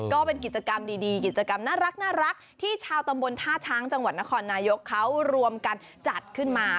ก็เป็นกิจกรรมดีกิจกรรมน่ารักที่ชาวตำบลท่าช้างจังหวัดนครนายกเขารวมกันจัดขึ้นมา